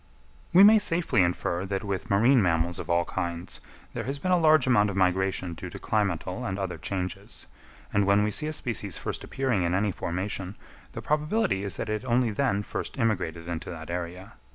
We may safely infer that with marine animals of all kinds there has been a large amount of migration due to climatal and other changes; and when we see a species first appearing in any formation, the probability is that it only then first immigrated into that area.